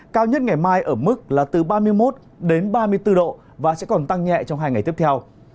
cao nhất ngày mai ở mức là từ ba mươi một đến ba mươi bốn độ và sẽ còn tăng nhẹ trong hai ngày tiếp theo